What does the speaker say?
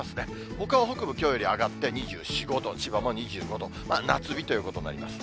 ほかは北部きょうより上がって、２４、５度、千葉も２５度、夏日ということになります。